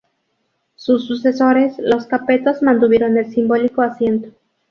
Sus sucesores, los Capetos mantuvieron el simbólico asiento.